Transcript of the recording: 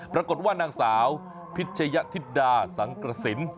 ปรากฏว่านางสาวพิชยธิดาสังกระสิน